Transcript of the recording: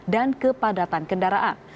dan kepadatan kendaraan